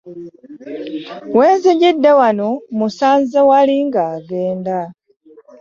We nzijidde wano mmusanze wali ng'agenda.